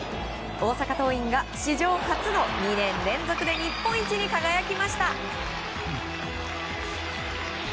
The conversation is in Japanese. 大阪桐蔭が史上初の２年連続で日本一に輝きました。